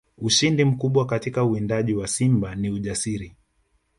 Ushindi mkubwa katika uwindaji wa simba ni ujasiri